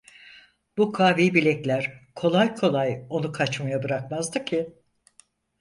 Bu kavi bilekler kolay kolay onu kaçmaya bırakmazdı ki…